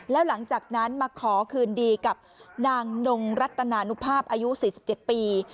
แล้วหลังจากนั้นมาขอคืนดีกับนางนงรัตนานุภาพอายุ๔๗ปี